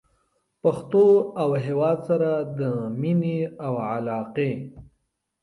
پښتو او هېواد سره د مینې او علاقې